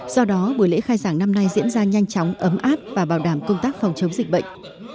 do đó buổi lễ khai giảng năm nay diễn ra nhanh chóng ấm áp và bảo đảm công tác phòng chống dịch bệnh